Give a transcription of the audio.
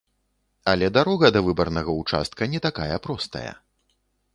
Але дарога да выбарнага ўчастка не такая простая.